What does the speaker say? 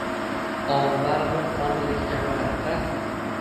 Omi baribir omiligiga boradi-da.